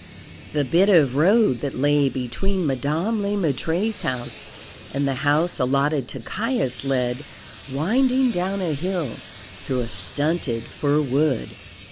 The bit of road that lay between Madame Le Maître's house and the house allotted to Caius led, winding down a hill, through a stunted fir wood.